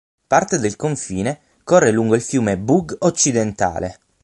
Parte del confine corre lungo il fiume Bug Occidentale.